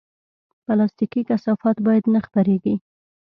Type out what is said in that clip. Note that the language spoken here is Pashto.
پلاستيکي کثافات باید نه خپرېږي.